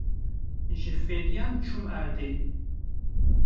Ji fêdiyan çûm erdê.